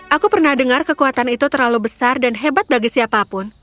aku pernah dengar kekuatan itu terlalu besar dan hebat bagi siapapun